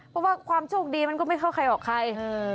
เพราะว่าความโชคดีมันก็ไม่เข้าใครออกใคร